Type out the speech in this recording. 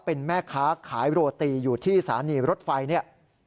เป็นแม่ค้าขายโรตีอยู่ที่ศาลีรถไฟ